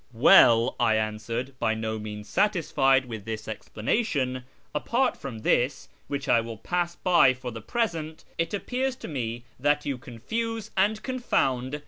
"Well," I answered, by no means satisfied with this ex )lanation, " apart from this, which I will pass by for the ) present, it appears to me that you confuse and confound